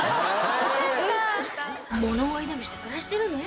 「物乞いでもして暮らしてるのよ